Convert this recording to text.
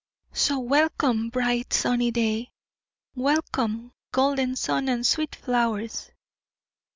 So, welcome, bright, sunny day! welcome golden sun and sweet flowers!